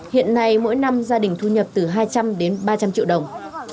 hiện nay mỗi năm gia đình thu nhập từ hai trăm linh đến ba trăm linh triệu đồng